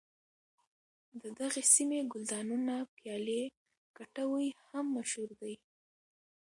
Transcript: د دغې سیمې ګلدانونه پیالې کټوۍ هم مشهور دي.